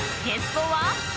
ゲストは。